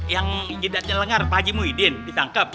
yang tidak nyelengar pak haji muhyiddin ditangkep